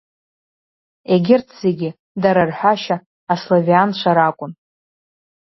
Егьырҭ зегьы, дара рҳәашьа, аславианцәа ракәын.